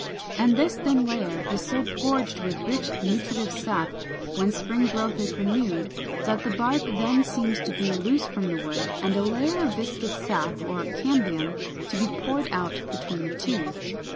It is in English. And this thin layer is so gorged with rich nutritive sap when spring growth is renewed, that the bark then seems to be loose from the wood and a layer of viscid sap (or cambium) to be poured out between the two.